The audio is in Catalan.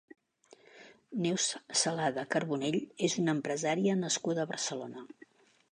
Neus Salada Carbonell és una empresària nascuda a Barcelona.